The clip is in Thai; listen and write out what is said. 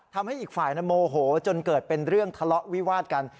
ทำให้อีกฝ่ายโมโหจนเกิดเป็นเรื่องทะเลาะวิวาดกัน